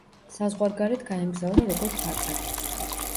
საზღვარგარეთ გაემგზავრა როგორც აკად.